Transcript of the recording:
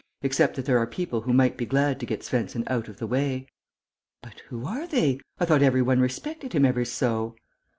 Except that there are people who might be glad to get Svensen out of the way." "But who are they? I thought every one respected him ever so!"